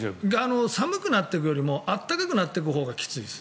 寒くなってくるよりも暖かくなってくるほうがきついです。